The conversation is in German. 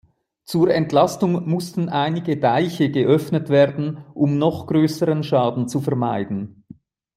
Zur Entlastung mussten einige Deiche geöffnet werden, um noch größeren Schaden zu vermeiden.